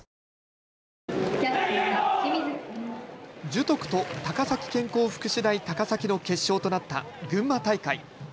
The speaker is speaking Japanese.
樹徳と高崎健康福祉大高崎の決勝となった群馬大会。